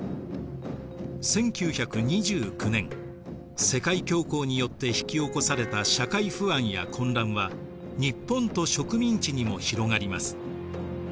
１９２９年世界恐慌によって引き起こされた社会不安や混乱は日本と植民地にも広がります。